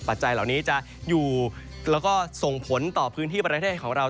ปัจจัยเหล่านี้จะอยู่แล้วก็ส่งผลต่อพื้นที่ประเทศของเรา